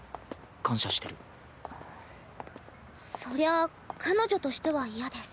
そりゃ彼女としては嫌です。